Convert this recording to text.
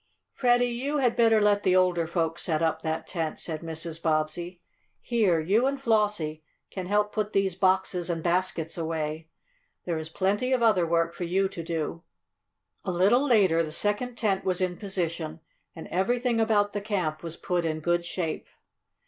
"Freddie, you had better let the older folks set up that tent," said Mrs. Bobbsey. "Here, you and Flossie can help put these boxes and baskets away. There is plenty of other work for you to do." A little later the second tent was in position, and everything about the camp was put in good shape.